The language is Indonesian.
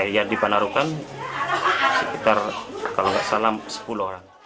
yang dipanarukan sekitar kalau tidak salah sepuluh orang